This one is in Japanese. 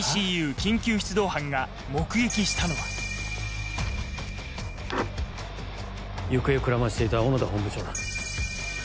緊急出動班が目撃したのは行方をくらましていた小野田本部長だ。